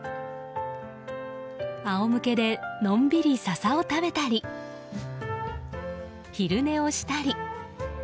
仰向けでのんびり笹を食べたり昼寝をしたり。